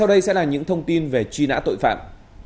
đây sẽ là những thông tin về truy nã tội phạm